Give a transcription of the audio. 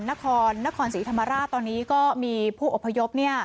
นครศรีธรรมราชตอนนี้ก็มีผู้อพยพ